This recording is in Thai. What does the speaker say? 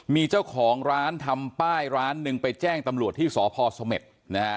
มีเจ้าของร้านทำป้ายร้านหนึ่งไปแจ้งตำรวจที่สพสเม็ดนะฮะ